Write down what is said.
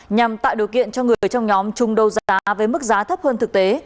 nhằm tạo điều kiện cho người trong nhóm chung đấu giá với mức giá thấp hơn thực tế